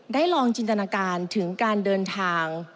ลองจินตนาการถึงการเดินทาง